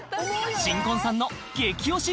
新婚さんの激おし